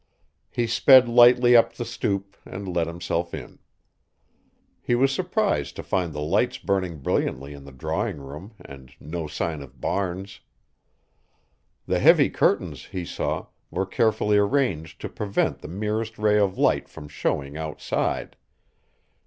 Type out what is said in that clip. He sped lightly up the stoop and let himself in. He was surprised to find the lights burning brilliantly in the drawing room and no sign of Barnes. The heavy curtains, he saw, were carefully arranged to prevent the merest ray of light from showing outside.